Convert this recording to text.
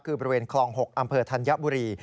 คือบริเวณคลอง๖อำเภอธัญบุรี